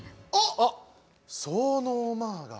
あっソーノーマーが。